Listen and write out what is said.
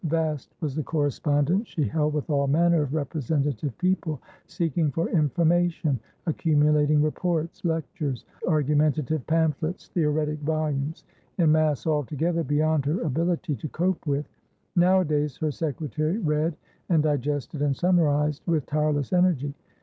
Vast was the correspondence she held with all manner of representative people, seeking for information, accumulating reports, lectures, argumentative pamphlets, theoretic volumes, in mass altogether beyond her ability to cope with; nowadays, her secretary read and digested and summarised with tireless energy.